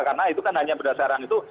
karena itu kan hanya berdasarkan itu